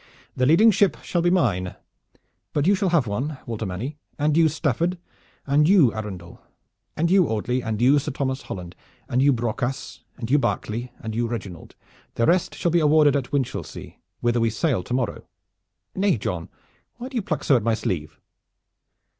"The leading ship shall be mine. But you shall have one, Walter Manny, and you, Stafford, and you, Arundel, and you, Audley, and you, Sir Thomas Holland, and you, Brocas, and you, Berkeley, and you, Reginald. The rest shall be awarded at Winchelsea, whither we sail to morrow. Nay, John, why do you pluck so at my sleeve?"